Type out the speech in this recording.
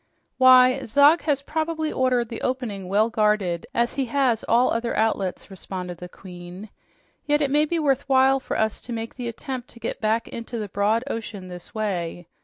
"Why, Zog has probably ordered the opening well guarded, as he has all the other outlets," responded the Queen. "Yet it may be worth while for us to make the attempt to get back into the broad ocean this way.